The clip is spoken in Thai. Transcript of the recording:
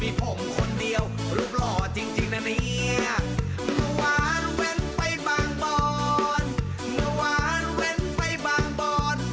เมื่อวานเว้นไปบางบอนเมื่อวานเว้นไปบางบอน